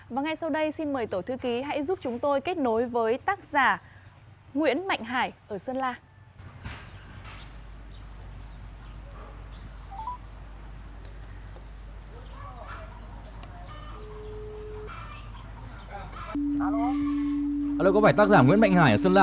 và ngay sau đây xin mời tổ thư ký hãy giúp chúng tôi kết nối với tác giả nguyễn mạnh hải ở sơn la